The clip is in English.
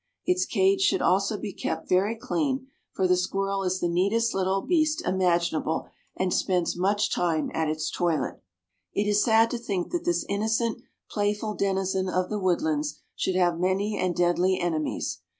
Its cage should also be kept very clean, for the squirrel is the neatest little beast imaginable, and spends much time at its toilet. It is sad to think that this innocent, playful denizen of the woodlands should have many and deadly enemies.